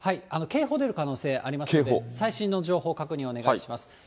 警報出る可能性ありますので、最新の情報、確認をお願いします。